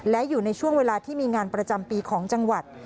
และอยู่ในช่วงเวลาที่มีงานประจำปีของจังหวัด